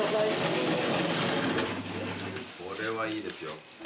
これはいいですよ。